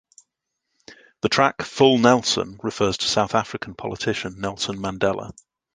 The track "Full Nelson" refers to South African politician Nelson Mandela.